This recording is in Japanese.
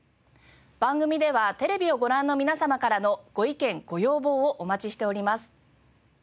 番組ではテレビをご覧の皆様からのご意見ご要望をお待ちしております。